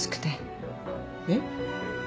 えっ？